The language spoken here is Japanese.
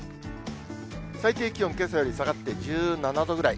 最低気温、けさより下がって１７度ぐらい。